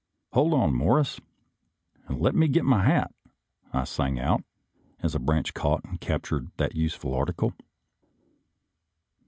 " Hold on, Morris, and let me get my hat !" I sang out, as a branch caught and captured that useful article.